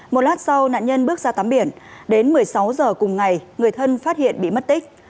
một lát sau nạn nhân bước ra tắm biển đến một mươi sáu h cùng ngày người thân phát hiện bị mất tích